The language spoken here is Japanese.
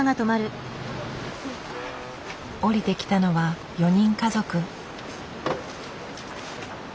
降りてきたのは４人家族。